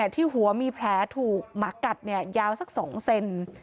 ที่หัวมีแผลถูกหมากัดยาวสัก๒เซน